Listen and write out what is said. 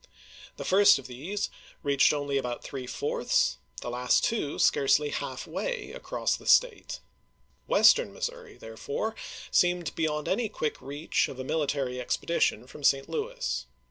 The first of these reached only about three fourths, the last two scarcely half way, across the State. Western Missouri, therefore, seemed beyond any quick reach of a military expedition from St. Louis.